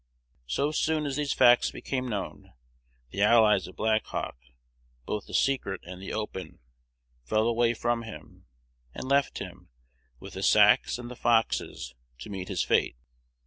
So soon as these facts became known, the allies of Black Hawk, both the secret and the open, fell away from him, and left him, with the Sacs and the Foxes, to meet his fate.